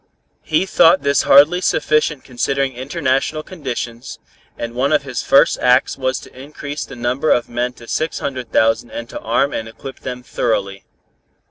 He thought this hardly sufficient considering international conditions, and one of his first acts was to increase the number of men to six hundred thousand and to arm and equip them thoroughly.